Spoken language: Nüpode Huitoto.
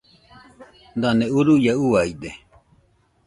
Dane uruaiaɨ uaide.